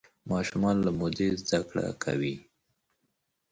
ماشومان له مودې زده کړه کوي.